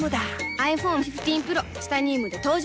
ｉＰｈｏｎｅ１５Ｐｒｏ チタニウムで登場